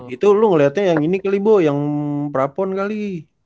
itu lu ngeliatnya yang ini kali ibu yang prapon kali